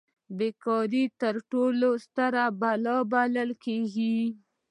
بې کاري تر ټولو ستره بلا بلل کیږي.